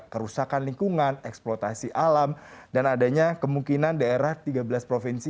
kerusakan lingkungan eksploitasi alam dan adanya kemungkinan daerah tiga belas provinsi